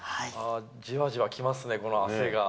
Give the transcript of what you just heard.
じわじわきますね、この汗が。